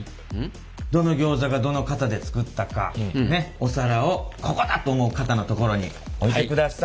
どのギョーザがどの型で作ったかお皿をここだと思う型の所に置いてください。